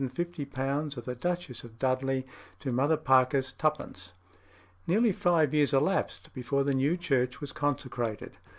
the donations ranging from the £250 of the Duchess of Dudley to Mother Parker's twopence. Nearly five years elapsed before the new church was consecrated.